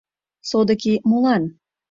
— Содыки молан?